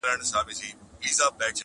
د سړي په دې وینا قاضي حیران سو.